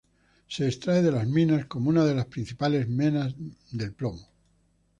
Se extrae de las minas como una de las principales menas del plomo.